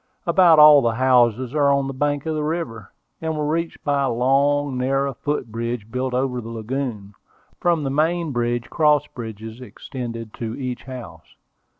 About all the houses are on the bank of the river, and were reached by a long, narrow foot bridge, built over the lagoon. From the main bridge, cross bridges extended to each house.